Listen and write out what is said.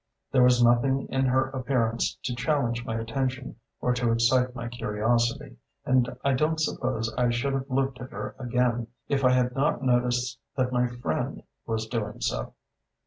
There was nothing in her appearance to challenge my attention or to excite my curiosity, and I don't suppose I should have looked at her again if I had not noticed that my friend was doing so.